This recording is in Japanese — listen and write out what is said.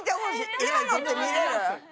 今のって見れる？